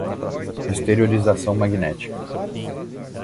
Exteriorização magnética